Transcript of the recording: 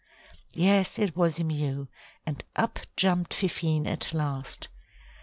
Yes, it was a mew, and up jumped Fifine at last.